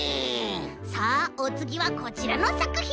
さあおつぎはこちらのさくひん！